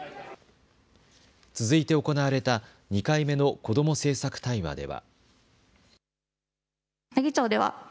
続いて行われた２回目のこども政策対話では。